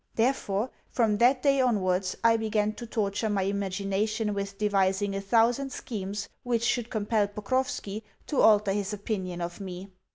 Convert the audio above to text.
Therefore, from that day onwards I began to torture my imagination with devising a thousand schemes which should compel Pokrovski to alter his opinion of me.